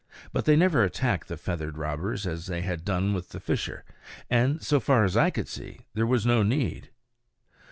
But they never attacked the feathered robbers, as they had done with the fisher, and, so far as I could see, there was no need.